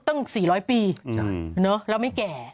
ตั้ง๔๐๐ปีเราไม่แก่